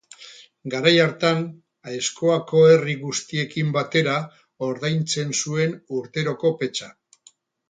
Garai hartan, Aezkoako herri guztiekin batera ordaintzen zuen urteroko petxa.